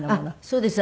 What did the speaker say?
そうです。